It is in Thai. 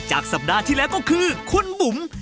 สัปดาห์ที่แล้วก็คือคุณบุ๋ม